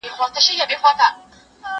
زه به چای تيار کړی وي؟!